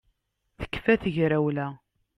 Tekfa tegrawla